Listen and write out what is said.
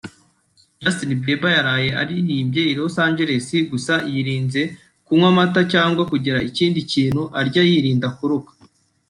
Justin Bieber yaraye aririmbiye i Los Angeless gusa yirinze kunywa amata cyangwa kugira ikindi kintu arya yirinda kuruka